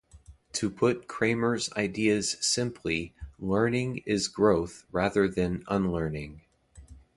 To put Kramer's ideas simply, learning is growth rather than unlearning.